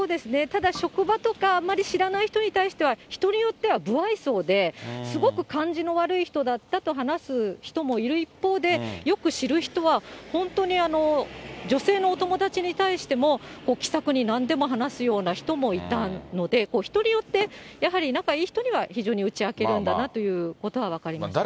ただ、職場とか、あまり知らない人に対しては、人によっては不愛想で、すごく感じの悪い人だったと話す人もいる一方で、よく知る人は、本当に女性のお友達に対しても、気さくになんでも話すような人もいたので、人によって、やはり仲いい人には非常に打ち明けるんだなということは分かりました。